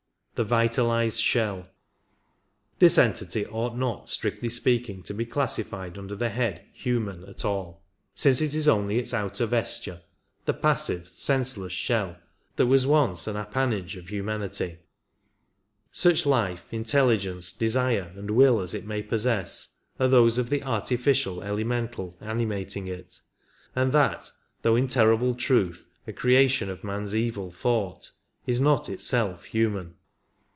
The Vitalized Shell, This entity ought not, strictly speaking, to be classified under the head human " at all, since it is only its outer vesture, the passive, senseless shell, that was once an appanage of humanity ; such life, in telligence, desire and will as it may possess are those of the artificial elemental animating it, and that, though in terrible truth a creation of man's evil thought, is not itself human.